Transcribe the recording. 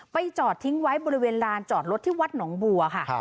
จอดทิ้งไว้บริเวณลานจอดรถที่วัดหนองบัวค่ะ